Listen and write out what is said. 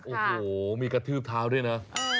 โอ้โหมีกระทืบเท้าด้วยนะ